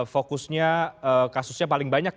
fokusnya kasusnya paling banyak